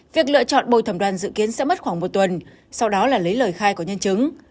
việc lựa chọn bồi thẩm đoàn dự kiến sẽ mất khoảng một tuần sau đó là lấy lời khai của nhân chứng